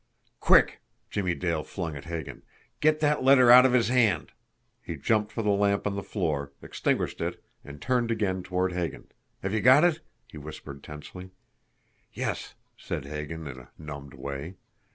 "QUICK!" Jimmie Dale flung at Hagan. "Get that letter out of his hand!" He jumped for the lamp on the floor, extinguished it, and turned again toward Hagan. "Have you got it?" he whispered tensely. "Yes," said Hagan, in a numbed way.